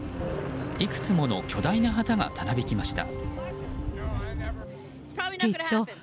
いくつもの巨大な旗がたなびきました。